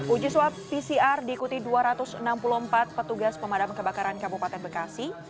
uji swab pcr diikuti dua ratus enam puluh empat petugas pemadam kebakaran kabupaten bekasi